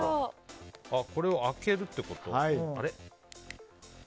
これを開けるってこと？